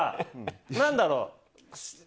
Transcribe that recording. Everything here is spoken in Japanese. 何だろう。